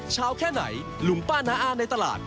เช้าแค่ไหนลุงป้านอ้านในตลาด